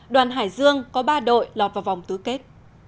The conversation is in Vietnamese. đoàn hải dương có ba đội lọt vào vòng tứ kết